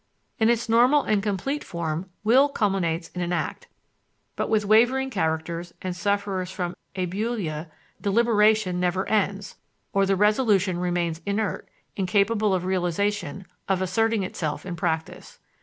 In its normal and complete form will culminates in an act; but with wavering characters and sufferers from abulia deliberation never ends, or the resolution remains inert, incapable of realization, of asserting itself in practice.